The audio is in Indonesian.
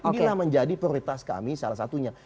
inilah menjadi prioritas kami salah satunya